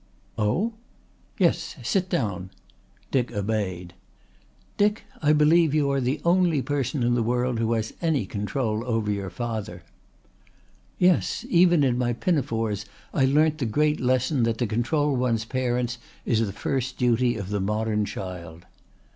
"Oh?" "Yes. Sit down." Dick obeyed. "Dick, I believe you are the only person in the world who has any control over your father." "Yes. Even in my pinafores I learnt the great lesson that to control one's parents is the first duty of the modern child."